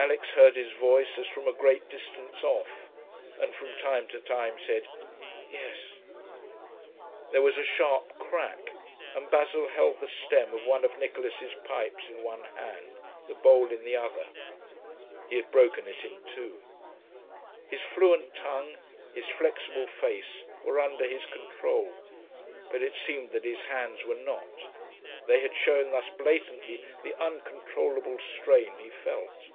Alix heard his voice as from a great distance off, and from time to time said 'Yes.' There was a sharp crack, and Basil held the stem of one of Nicholas's pipes in one hand, the bowl in the other; he had broken it in two. His fluent tongue, his flexible face, were under his control; but it seemed that his hands were not; they had shown thus blatantly the uncontrollable strain he felt.